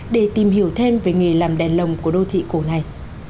để tìm hiểu thêm về nghề làm đèn lồng của đô thị cổ này